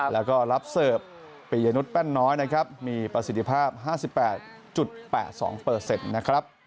แล้วก็รับเสิร์ฟปียนุษยแป้นน้อยนะครับมีประสิทธิภาพ๕๘๘๒นะครับ